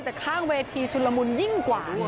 แต่ข้างเวทีชุนละมุนยิ่งกว่าไง